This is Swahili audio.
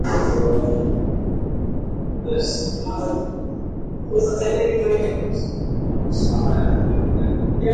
tena glukosi zaidi kutoka katika tishu za misuli na ini